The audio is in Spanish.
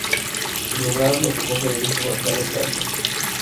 Su lugar lo ocupó Federico González Garza.